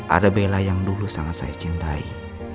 ada bella yang dulu sangat saya cintai